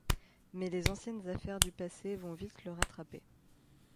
Mais les anciennes affaires du passé vont vite le rattraper.